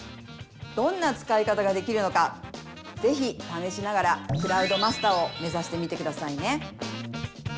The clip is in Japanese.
どんな使い方ができるのかぜひためしながらクラウドマスターを目指してみてくださいね。